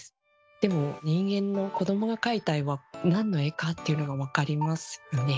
でも人間の子どもが描いた絵は何の絵かっていうのがわかりますよね。